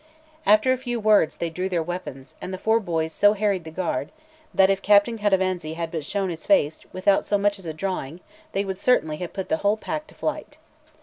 After a few words they drew their weapons, and the four boys so harried the guard, that if Captain Cattivanza had but shown his face, without so much as drawing, they would certainly have put the whole pack to flight.